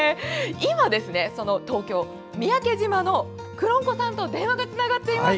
今、東京・三宅島のくろんこさんと電話がつながっています。